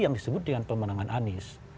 yang disebut dengan pemenangan anies